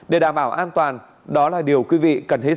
để đảm bảo an toàn đó là điều quý vị cần hết sức